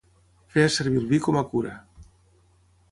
Feia servir el vi com a cura.